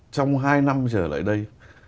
trong hai năm trở lại đây